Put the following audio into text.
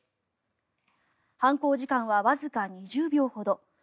犯行時間はわずか２０秒ほど。